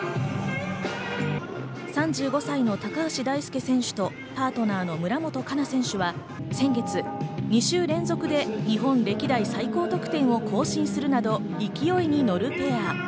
３５歳の高橋大輔選手とパートナーの村元哉中選手は先月、２週連続で日本歴代最高得点を更新するなど、勢いに乗るペア。